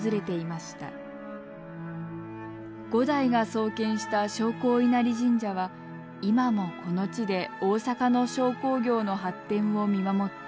五代が創建した商工稲荷神社は今もこの地で大阪の商工業の発展を見守っています。